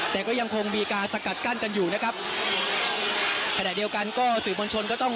แต่ก็ยังคงมีการสกัดกั้นกันอยู่นะครับขณะเดียวกันก็สื่อมวลชนก็ต้อง